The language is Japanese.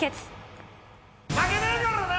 負けねぇからな。